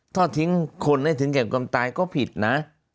ทอดทิ้งคนให้ถึงแก่ความตายก็ผิดนะ